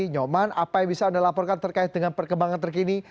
nyoman apa yang bisa anda laporkan terkait dengan perkembangan terkini